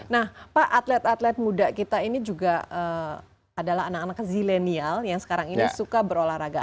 nah pak atlet atlet muda kita ini juga adalah anak anak zilenial yang sekarang ini suka berolahraga